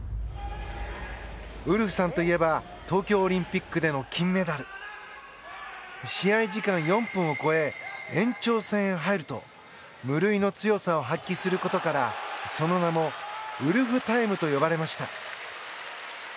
ウルフさんといえば東京オリンピックでの金メダル。試合時間４分を超え延長戦へ入ると無類の強さを発揮することからその名もウルフタイムと呼ばれました。